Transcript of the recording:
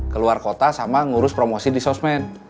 keluar kota sama ngurus promosi di sosmed